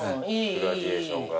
グラデーションが。